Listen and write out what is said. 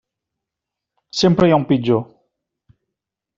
Sempre hi ha un pitjor.